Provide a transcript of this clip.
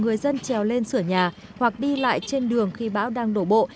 người dân trèo lên sửa nhà hoặc đi lại trên đường khi bão đang đổ bộ